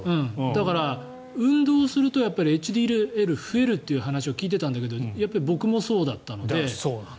だから運動するとＨＤＬ増えるという話を聞いていたんだけど僕もそうだったので。